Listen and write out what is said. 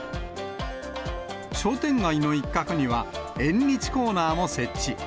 商店街の一角には、縁日コーナーも設置。